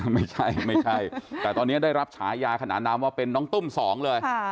ไม่ใช่ไม่ใช่แต่ตอนนี้ได้รับฉายาขนานนามว่าเป็นน้องตุ้มสองเลย